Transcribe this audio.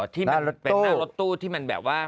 หน้ารถตู้ที่มันแบบว่า